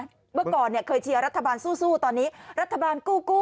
เมื่อก่อนเนี่ยเคยเชียร์รัฐบาลสู้ตอนนี้รัฐบาลกู้